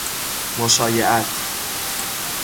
مشایعت